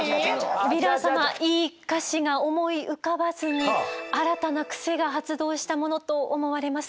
ヴィラン様いい歌詞が思い浮かばずに新たなクセが発動したものと思われます。